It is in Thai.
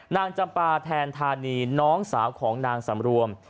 จำปาแทนธานีน้องสาวของนางสำรวม